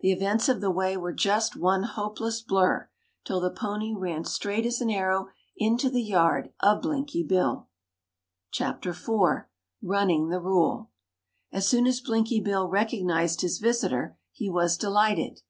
The events of the way were just one hopeless blur till the pony ran straight as an arrow into the yard of Blinky Bill. Chapter IV. RUNNING THE RULE As soon as Blinky Bill recognised his visitor, he was delighted.